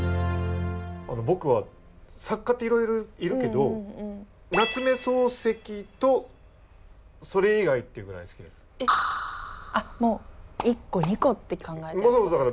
あの僕は作家っていろいろいるけど夏目漱石とそれ以外っていうぐらい好きです。って考えてるって事ですか？